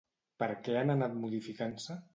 Per què han anat modificant-se?